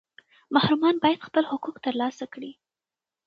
محرومان باید خپل حقوق ترلاسه کړي.